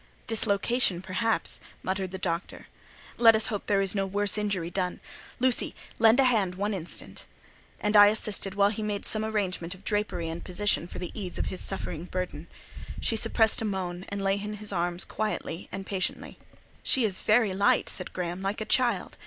"Dislocation, perhaps!" muttered the Doctor: "let us hope there is no worse injury done. Lucy, lend a hand one instant." And I assisted while he made some arrangement of drapery and position for the ease of his suffering burden. She suppressed a moan, and lay in his arms quietly and patiently. "She is very light," said Graham, "like a child!"